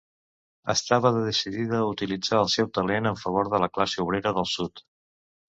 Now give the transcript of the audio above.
Estava decidida a utilitzar el seu talent en favor de la classe obrera del sud.